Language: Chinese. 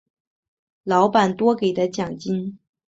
老板多给的奖金